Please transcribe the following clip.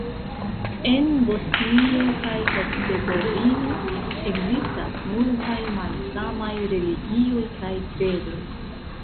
En Bosnio kaj Hercegovino ekzistas multaj malsamaj religioj kaj kredoj.